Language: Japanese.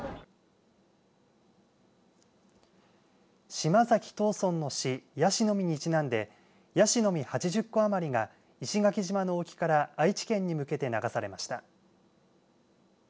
島崎藤村の詩椰子の実にちなんでやしの実８０個余りが石垣島の沖から愛知県に向けて流されました。